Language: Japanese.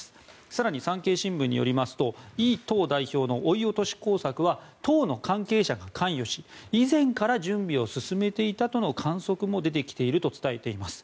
更に、産経新聞によりますとイ党代表の追い落とし工作は党の関係者が関与し以前から準備を進めていたとの観測も出てきていると伝えています。